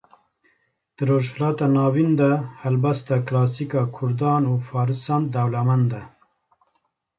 Di rojhilata navîn de helbesta kilasîk a Kurdan û farisan dewlemend e